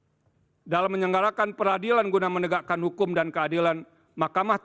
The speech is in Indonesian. makamah tidak memutus sebatas angka semata dalam menyenggarakan peradilan guna menegakkan hukum dan keadilan selisih suara semata